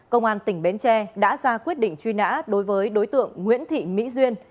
công an tỉnh bến tre đã ra quyết định truy nã đối với đối tượng nguyễn thị mỹ duyên